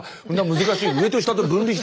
難しい。